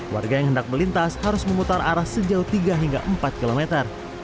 warga yang hendak melintas harus memutar arah sejauh tiga hingga empat kilometer